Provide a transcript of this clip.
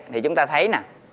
thì chúng ta thấy